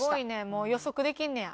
もう予測できんねや。